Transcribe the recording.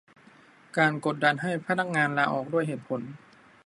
การกดดันให้พนักงานลาออก ด้วยเหตุผล